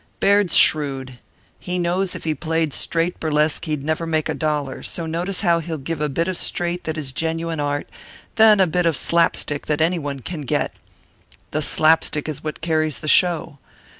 Baird's shrewd. He knows if he played straight burlesque he'd never make a dollar, so notice how he'll give a bit of straight that is genuine art, then a bit of slap stick that any one can get. The slap stick is what carries the show.